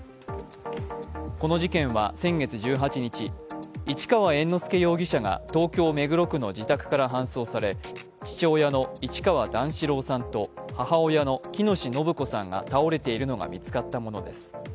この事件は先月１８日、市川猿之助容疑者が東京・目黒区の自宅から搬送され父親の市川段四郎さんと母親の喜熨斗延子さんが倒れているのが見つかったものです。